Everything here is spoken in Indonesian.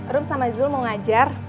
rum sama zul mau ngajar